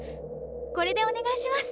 これでお願いします！